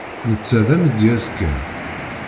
Netta d amedyaz kan.